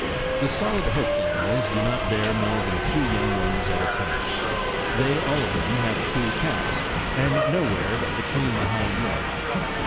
The solid hoofed animals do not bear more than two young ones at a time : they all of them have two paps, and nowhere but between the hind legs.